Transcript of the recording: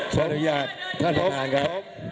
ขออนุญาตท่านประธานครับ